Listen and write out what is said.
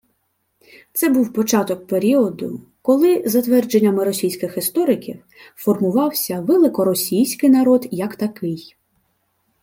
Це був початок періоду, коли, за твердженнями російських істориків, формувався «великоросійський» народ як такий